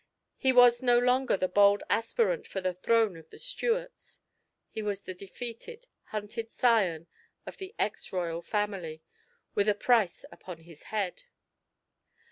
He was no longer the bold aspirant for the throne of the Stuarts. He was the defeated, hunted scion of the ex royal family, with a price upon his head.